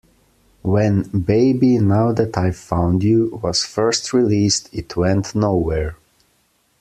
When "Baby Now That I've Found You" was first released it went nowhere.